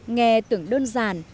nghe tưởng đơn giản